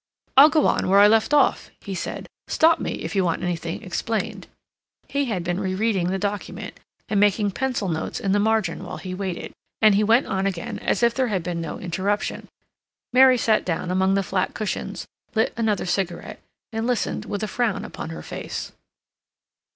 "I'll go on where I left off," he said. "Stop me if you want anything explained." He had been re reading the document, and making pencil notes in the margin while he waited, and he went on again as if there had been no interruption. Mary sat down among the flat cushions, lit another cigarette, and listened with a frown upon her face.